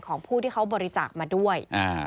ผู้ที่เขาบริจาคมาด้วย